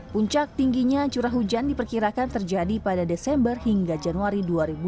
puncak tingginya curah hujan diperkirakan terjadi pada desember hingga januari dua ribu dua puluh